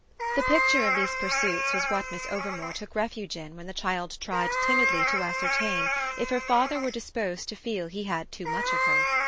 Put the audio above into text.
The picture of these pursuits was what Miss Overmore took refuge in when the child tried timidly to ascertain if her father were disposed to feel he had too much of her.